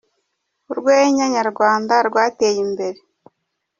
Urwenya nyarwanda rwateye imbere